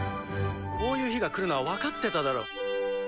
こういう日が来るのは分かってただろ。